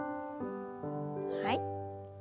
はい。